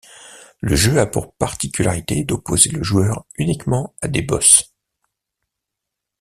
Le jeu a pour particularité d'opposer le joueur uniquement à des boss.